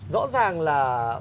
rõ ràng là